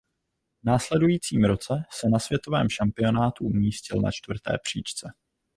V následujícím roce se na světovém šampionátu umístil na čtvrté příčce.